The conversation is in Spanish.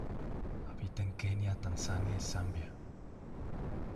Habita en Kenia, Tanzania y Zambia.